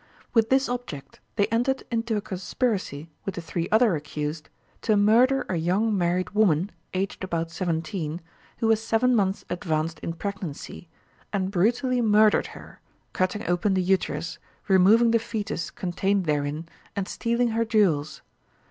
With this object, they entered into a conspiracy with the three other accused to murder a young married woman, aged about seventeen, who was seven months advanced in pregnancy, and brutally murdered her, cutting open the uterus, removing the foetus contained therein, and stealing her jewels.